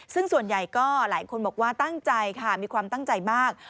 ซึ่งส่วนใหญ่ก็หลายคนบอกว่าตั้งใจค่ะมีความตั้งใจมาก